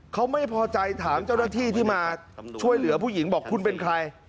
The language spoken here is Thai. เขาไม่พอใจถามเจ้าหน้าที่ที่มาช่วยเหลือผู้หญิงบอกคุณเป็นใคร